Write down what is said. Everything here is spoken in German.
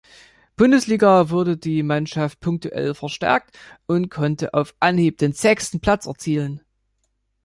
Bundesliga wurde die Mannschaft punktuell verstärkt und konnte auf Anhieb den sechsten Platz erzielen.